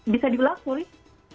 bisa diulang boleh